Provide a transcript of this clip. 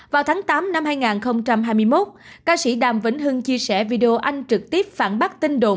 vào tháng tám năm hai nghìn hai mươi một ca sĩ đàm vĩnh hưng chia sẻ video anh trực tiếp phản ứng về việc kêu gọi quyên góp từ thiện